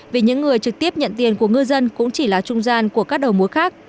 vì những người trực tiếp nhận tiền của ngư dân cũng chỉ là trung gian của các đầu mối khác